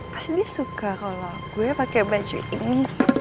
pasti dia suka kalau gue pakai baju ini